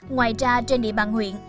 ngoài ra trên địa bàn huyện